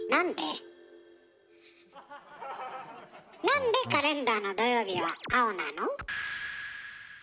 なんでカレンダーの土曜日は青なの？